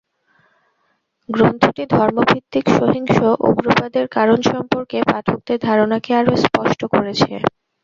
গ্রন্থটি ধর্মভিত্তিক সহিংস উগ্রবাদের কারণ সম্পর্কে পাঠকদের ধারণাকে আরও স্পষ্ট করেছে।